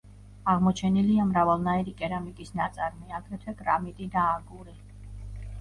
აღმოჩენილია მრავალნაირი კერამიკის ნაწარმი, აგრეთვე კრამიტი და აგური.